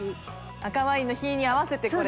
赤ワインの日に合わせてこれ。